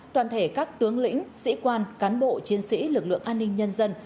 toàn thể các tướng lĩnh sĩ quan cán bộ chiến sĩ lực lượng an ninh nhân dân